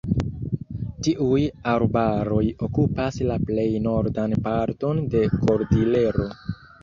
Tiuj arbaroj okupas la plej nordan parton de Kordilero.